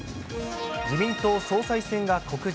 自民党総裁選が告示。